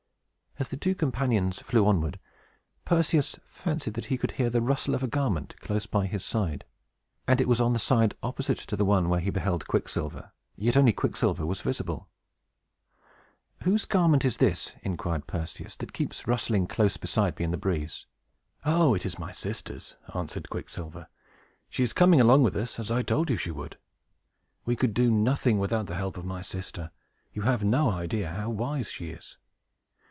As the two companions flew onward, Perseus fancied that he could hear the rustle of a garment close by his side; and it was on the side opposite to the one where he beheld Quicksilver, yet only Quicksilver was visible. "Whose garment is this," inquired Perseus, "that keeps rustling close beside me in the breeze?" "Oh, it is my sister's!" answered Quicksilver. "She is coming along with us, as I told you she would. We could do nothing without the help of my sister. You have no idea how wise she is.